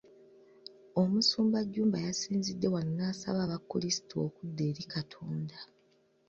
Omusumba Jjumba yasinzidde wano n’asaba abakulisitu okudda eri Katonda.